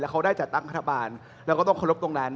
เขาได้จัดตั้งรัฐบาลเราก็ต้องเคารพตรงนั้น